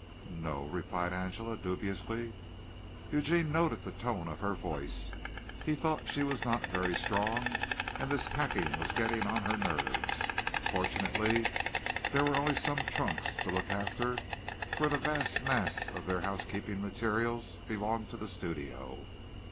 "No o," replied Angela, dubiously. Eugene noted the tone of her voice. He thought she was not very strong and this packing was getting on her nerves. Fortunately there were only some trunks to look after, for the vast mass of their housekeeping materials belonged to the studio.